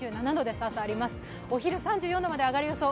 お昼３４度まで上がる予想。